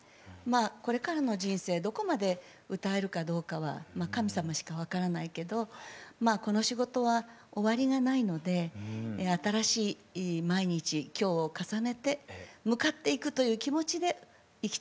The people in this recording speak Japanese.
これからの人生どこまで歌えるかどうかは神様しか分からないけどこの仕事は終わりがないので新しい毎日今日を重ねて向かっていくという気持ちで生きていきたいなとそんな思いです。